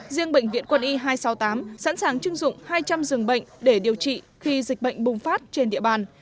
riêng bệnh viện quân y hai trăm sáu mươi tám sẵn sàng chưng dụng hai trăm linh giường bệnh để điều trị khi dịch bệnh bùng phát trên địa bàn